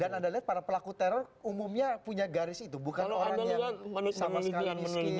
dan anda lihat para pelaku teror umumnya punya garis itu bukan orang yang sama sekali miskin bodoh misalnya